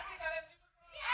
terima kasih muridnya